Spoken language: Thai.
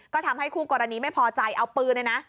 ก็ทำให้คู่กรณีไม่พอใจเอาปืนเลยนะ